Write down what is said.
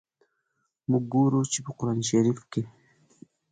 موږ ګورو چي، په قرآن شریف کي.